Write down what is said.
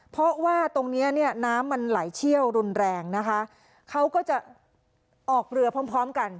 เพราะว่าตรงเนี้ยเนี่ยน้ำมันไหลเชี่ยวรุนแรงนะคะเขาก็จะออกเรือพร้อมพร้อมกัน